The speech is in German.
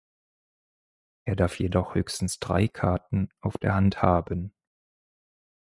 Er darf jedoch höchstens drei Karten auf der Hand haben.